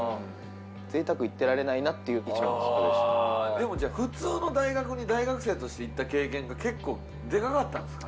でもじゃあ普通の大学に大学生として行った経験が結構でかかったんすかね。